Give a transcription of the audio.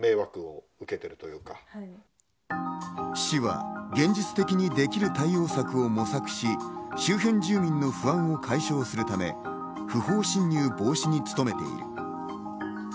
市は現実的にできる対応策を模索し、周辺住民の不安を解消するため、不法侵入防止に努めている。